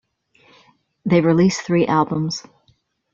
They've released three albums.